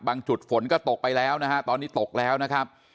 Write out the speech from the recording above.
จุดฝนก็ตกไปแล้วนะฮะตอนนี้ตกแล้วนะครับ